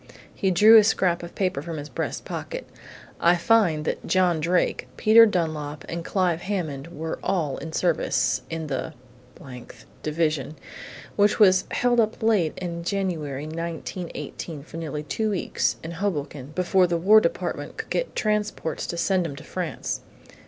He drew a scrap of paper from his breast pocket. "I find that John Drake, Peter Dunlap and Clive Hammond were all in service, in the th Division, which was held up late in January, 1918, for nearly two weeks, in Hoboken, before the War Department could get transports to send 'em to France.